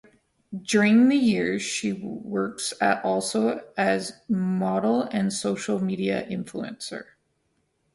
During the years she works also as model and social media influencer.